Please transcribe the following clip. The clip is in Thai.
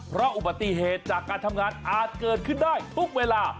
เพราะอุบัติเหตุจากการทำงานอาจเกิดขึ้นได้ทุกเวลา